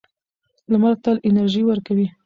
لمر تل انرژي ورکوي.